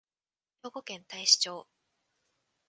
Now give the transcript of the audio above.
兵庫県太子町